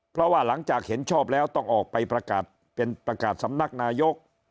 เพราะว่าหลังจากเห็นชอบแล้วต้องออกไปประกาศเป็นประกาศสำนักนายก